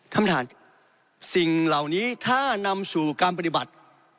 ท่านประธานสิ่งเหล่านี้ถ้านำสู่การปฏิบัติ